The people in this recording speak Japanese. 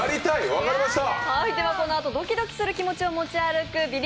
分かりました。